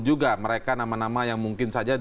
juga mereka nama nama yang mungkin saja